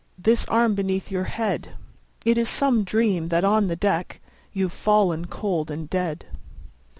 This arm beneath your head! It is some dream that on the deck 15 You've fallen cold and dead.